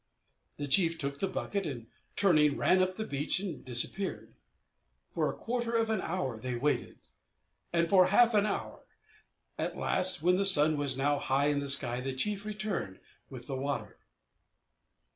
The chief took the bucket, and, turning, ran up the beach and disappeared. For a quarter of an hour they waited; and for half an hour. At last, when the sun was now high in the sky, the chief returned with the water.